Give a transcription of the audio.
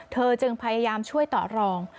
เธอจึงพยายามช่วยต่อรอง